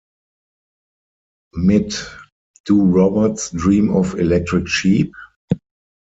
Mit "Do Robots Dream of Electric Sheep?